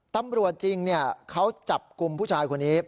ตำรวจจริงเขาจับกลุ่มผู้ชายคนนี้